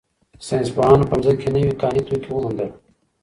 ساینس پوهانو په ځمکه کې نوي کاني توکي وموندل.